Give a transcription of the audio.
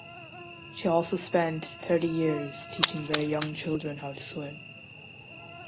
She also spent thirty years teaching very young children how to swim.